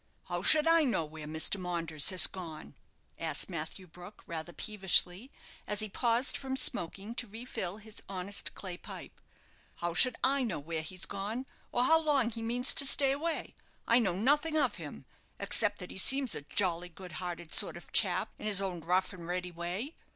"How should I know where Mr. Maunders has gone?" asked Matthew Brook, rather peevishly, as he paused from smoking to refill his honest clay pipe. "How should I know where he's gone, or how long he means to stay away? I know nothing of him, except that he seems a jolly, good hearted sort of a chap in his own rough and ready way.